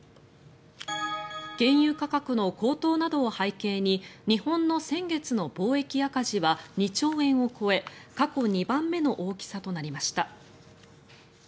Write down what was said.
原油価格の高騰などを背景に日本の先月の貿易赤字は２兆円を超え過去２番目の大きさとなりました。